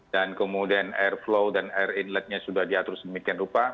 dan kemudian airflow dan air inletnya sudah diatur semikian rupa